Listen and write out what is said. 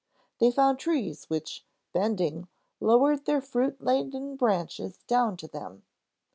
They found trees which, bending, lowered their fruit laden branches down to them.